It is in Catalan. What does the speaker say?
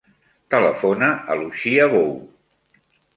Telefona a l'Uxia Bou.